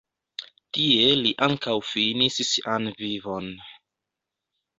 Tie li ankaŭ finis sian vivon.